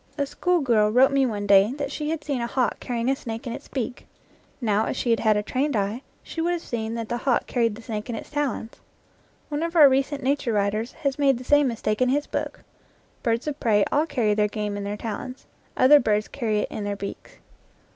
A schoolgirl wrote me one day that she had seen a hawk carrying a snake in its beak. Now, if she had had a trained eye, she would have seen that the hawk carried the snake in its talons. One of our recent nature writers has made the same mistake in his book. Birds of prey all carry their game in their talons; other birds carry it in their beaks.